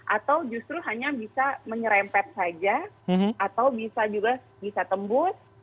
atau justru hanya bisa menyerempet saja atau bisa juga bisa tembus